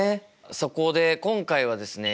そこで今回はですね